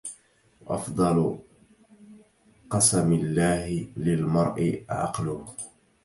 وأفضل قسم الله للمرء عقله